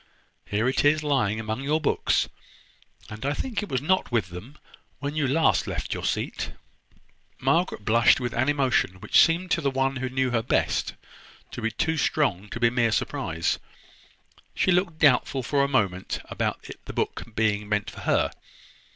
Here it is, lying among your books; and I think it was not with them when you last left your seat." Margaret blushed with an emotion which seemed to the one who knew her best to be too strong to be mere surprise. She looked doubtful for a moment about the book being meant for her.